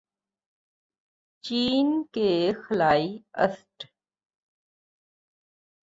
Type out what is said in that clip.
چین کے خلائی اسٹ